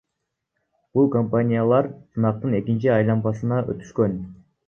Бул компаниялар сынактын экинчи айлампасына өтүшкөн.